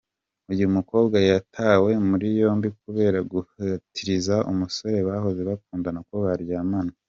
Uyu mukobwa yatawe muri yombi kubera guhatiriza umusore bahoze bakundana ko baryamana.